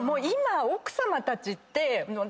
奥さまたちって。